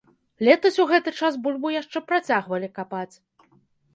Летась у гэты час бульбу яшчэ працягвалі капаць.